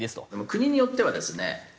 国によってはですね